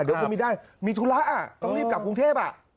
เดี๋ยวคุณมีได้มีธุระต้องรีบกลับกรุงเทพ